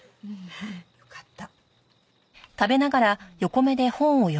よかった。